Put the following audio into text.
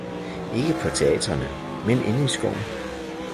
ikke på teatrene, men inde i skoven.